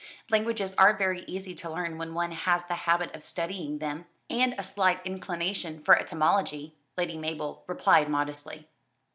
"Languages are very easy to learn when one has the habit of studying them, and a slight inclination for etymology," Lady Mabel replied modestly.